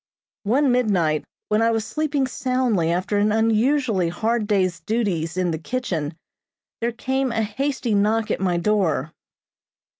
One midnight, when I was sleeping soundly after an unusually hard day's duties in the kitchen, there came a hasty knock at my door.